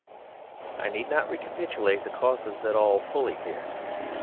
I need not recapitulate the causes at all fully here.